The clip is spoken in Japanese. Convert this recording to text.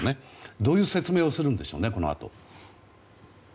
どういう説明をするんでしょうね、このあと。